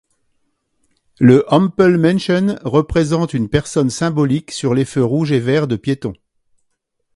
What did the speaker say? Le Ampelmännchen représente une personne symbolique sur les feux rouges et verts de piéton.